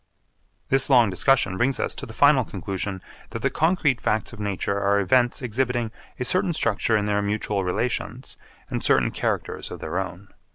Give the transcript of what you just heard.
This long discussion brings us to the final conclusion that the concrete facts of nature are events exhibiting a certain structure in their mutual relations and certain characters of their own.